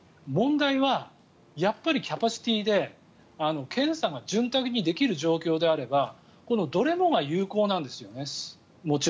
問題はやっぱりキャパシティーで検査が潤沢にできる状況であればどれもがもちろん有効なんですよね。